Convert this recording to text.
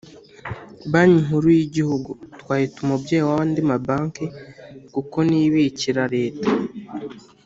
Banki Nkuru y’Igihugu twayita umubyeyi w’andi mabanki kuko niyo ibikira Leta